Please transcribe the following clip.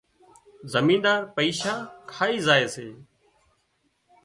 زمينۮار پئيشا کائي زائي سي